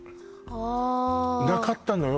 ああなかったのよ